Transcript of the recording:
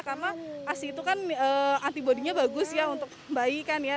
karena asi itu kan antibody nya bagus ya untuk bayi kan ya